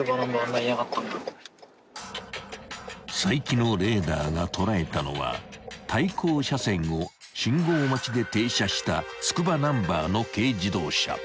［齋木のレーダーが捉えたのは対向車線を信号待ちで停車したつくばナンバーの］